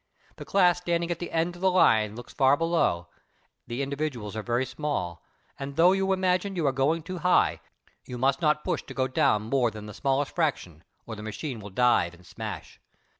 The class standing at the end of the line looks far below; the individuals are very small, but though you imagine you are going too high, you must not push to go down more than the smallest fraction, or the machine will dive and smash.